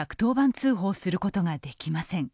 通報することができません。